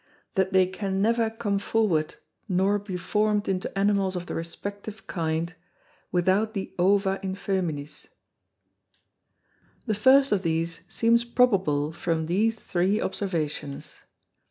That they can never come forward, nor be formed into Animals of the respective kind, without the Ova in Fœminis. The first of these seems probable from these three Observations.